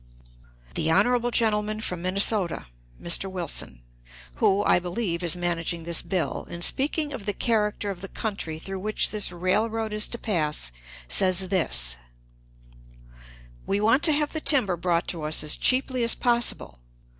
The honorable gentleman from Minnesota (Mr. Wilson), who, I believe, is managing this bill, in speaking of the character of the country through which this railroad is to pass, says this: "We want to have the timber brought to us as cheaply as possible.